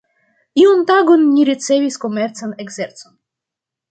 Iun tagon ni ricevis komercan ekzercon.